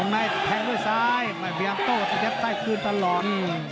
มองไหนแข้งด้วยซ้ายมันไปทำโต้สักแค่ใกล้คืนตลอด